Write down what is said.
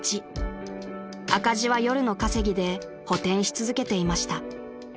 ［赤字は夜の稼ぎで補てんし続けていました］